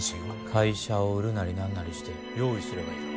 会社を売るなり何なりして用意すればいいだろ